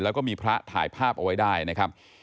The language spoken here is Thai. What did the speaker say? แล้วก็มีพระถ่ายภาพเอาไว้ได้นะครับ